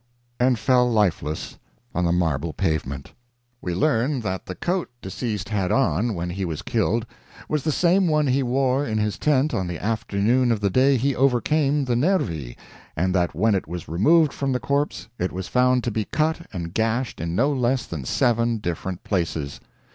and fell lifeless on the marble pavement. We learn that the coat deceased had on when he was killed was the same one he wore in his tent on the afternoon of the day he overcame the Nervii, and that when it was removed from the corpse it was found to be cut and gashed in no less than seven different places.